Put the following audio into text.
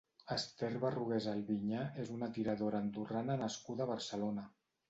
Esther Barrugués Alviñá és una tiradora andorrana nascuda a Barcelona.